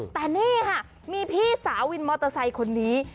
แต่นี่ค่ะมีพี่สาววินมอเตอร์ไซค์คนนี้